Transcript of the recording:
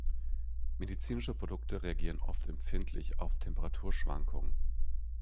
Medizinische Produkte reagieren oft empfindlich auf Temperaturschwankungen.